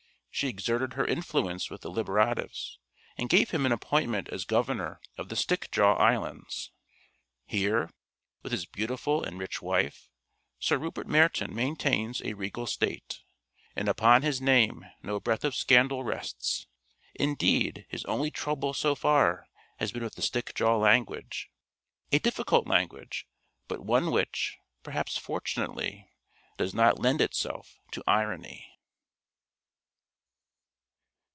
She exerted her influence with the Liberatives, and got him an appointment as Governor of the Stickjaw Islands. Here, with his beautiful and rich wife, Sir Rupert Meryton maintains a regal state, and upon his name no breath of scandal rests. Indeed his only trouble so far has been with the Stickjaw language a difficult language, but one which, perhaps fortunately, does not lend itself to irony.